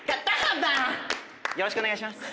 よろしくお願いします。